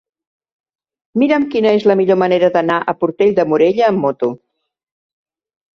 Mira'm quina és la millor manera d'anar a Portell de Morella amb moto.